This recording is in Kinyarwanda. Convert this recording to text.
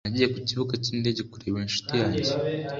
nagiye ku kibuga cy'indege kureba inshuti yanjye